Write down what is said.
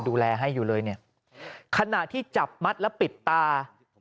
ดูแลให้อยู่เลยเนี่ยขณะที่จับมัดแล้วปิดตา